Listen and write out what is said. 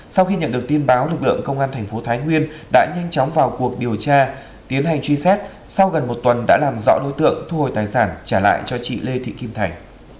sau khi nhận được tin báo lực lượng công an thành phố thái nguyên đã nhanh chóng vào cuộc điều tra tiến hành truy xét sau gần một tuần đã làm rõ đối tượng thu hồi tài sản trả lại cho chị lê thị kim thành